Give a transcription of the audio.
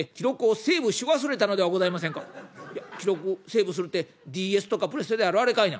「いや記録をセーブするってＤＳとかプレステであるあれかいな」。